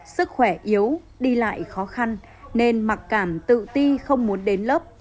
sức khỏe yếu đi lại khó khăn nên mặc cảm tự ti không muốn đến lớp